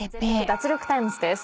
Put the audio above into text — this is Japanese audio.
脱力タイムズ』です。